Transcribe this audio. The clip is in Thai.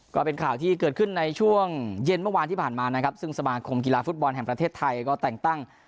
ก็เป็นข่าวที่เกิดขึ้นในช่วงเย็นเมื่อวานที่ผ่านมานะครับซึ่งสมาคมกีฬาฟุตบอลแห่งประเทศไทยก็แต่งตั้ง